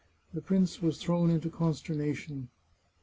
The prince was thrown into consternation.